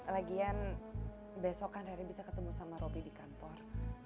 lagian besok kan hari bisa ketemu sama roby di kantor